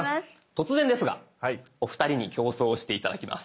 突然ですがお二人に競争をして頂きます。